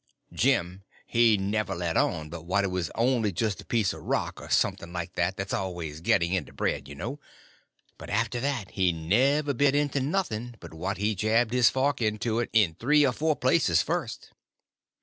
Jim he never let on but what it was only just a piece of rock or something like that that's always getting into bread, you know; but after that he never bit into nothing but what he jabbed his fork into it in three or four places first.